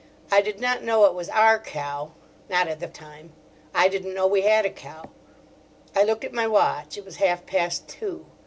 I did not know it was our cow—not at the time. I didn't know we had a cow. I looked at my watch; it was half past two.